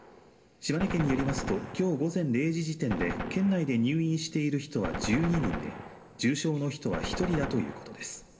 島根県によりますときょう午前０時時点で県内で入院している人は１２人で重症の人は１人だということです。